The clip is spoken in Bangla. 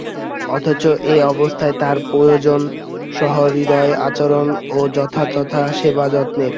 অথচ এ অবস্থায় তাঁর প্রয়োজন সহৃদয় আচরণ ও যথাযথ সেবা যত্নের।